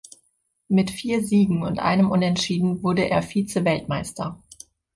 Mit vier Siegen und einem Unentschieden wurde er Vizeweltmeister.